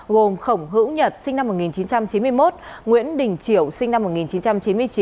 gồm khổng hữu nhật sinh năm một nghìn chín trăm chín mươi một nguyễn đình triều sinh năm một nghìn chín trăm chín mươi chín